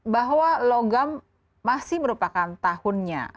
bahwa logam masih merupakan tahunnya